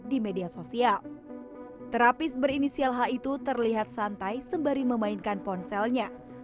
di media sosial terapis berinisial h itu terlihat santai sembari memainkan ponselnya